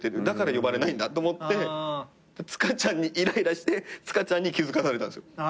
だから呼ばれないんだと思って塚ちゃんにイライラして塚ちゃんに気付かされたんですよ。